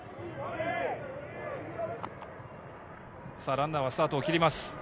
ランナーはスタートを切ります。